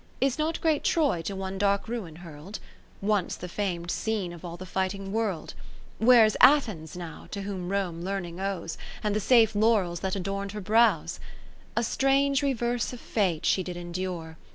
Is not great Troy to one dark ruin hurl'd ? Once the fam'd scene of all the fighting world. lo \Vhere's Athens now, to whom Rome Learning owes. And the safe laurels that adorn'd her brows ? A strange reverse of Fate she did endure.